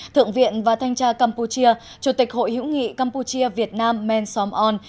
thượng viện và thanh tra campuchia chủ tịch hội hữu nghị campuchia việt nam men som on